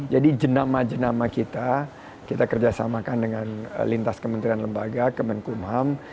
jadi jenama jenama kita kita kerjasamakan dengan lintas kementerian lembaga kemenkumham